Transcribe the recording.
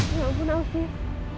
ya ampun afif